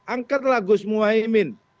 angkatlah gus muhyiddin